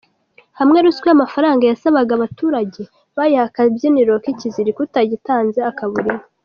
Hamwe ruswa y’amafaranga basabaga abaturage bayihaye akabyiniriro “k’ikiziriko”, utagitanze akabura inka.